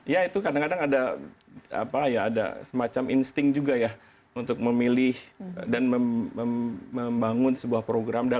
ya itu kadang kadang ada semacam insting juga ya untuk memilih dan membangun sebuah program